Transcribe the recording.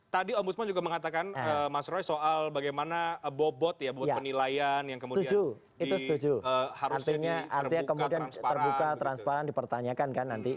tadi om busman juga mengatakan mas roy soal bagaimana bobot ya buat penilaian yang kemudian harusnya terbuka transparan